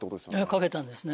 書けたんですね。